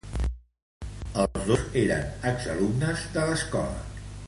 Els dos eren exalumnes de l'escola.